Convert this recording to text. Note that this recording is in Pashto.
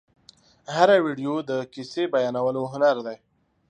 هره ویډیو د کیسې بیانولو هنر دی.